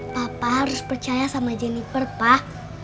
papa harus percaya sama jenniper pak